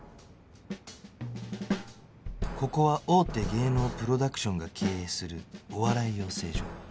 ここは大手芸能プロダクションが経営するお笑い養成所